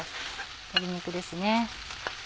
鶏肉ですね。